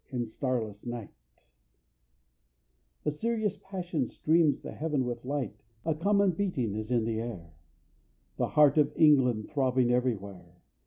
In starless night A serious passion streams the heaven with light. A common beating is in the air The heart of England throbbing everywhere.